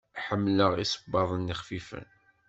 Ḥemmleɣ isebbaḍen xfifen.